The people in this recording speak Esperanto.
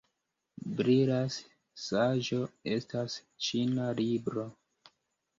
Brilas saĝo estas ĉina libro.